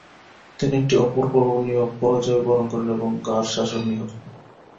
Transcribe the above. তিনি একটি অপরিকল্পনীয় পরাজয় বরণ করেন এবং গারশাসপ নিহত হন।